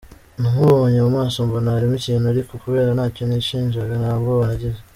Namubonye mu maso, mbona harimo ikintu, ariko kubera ntacyo nishinjaga ntabwoba nagize.